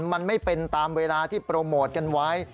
มันไม่เป็นตามเวลาที่โปรโมทกันไว้